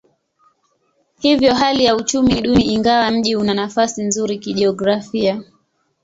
Hivyo hali ya uchumi ni duni ingawa mji una nafasi nzuri kijiografia.